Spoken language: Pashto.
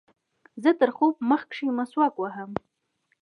زه تر خوب مخکښي مسواک وهم.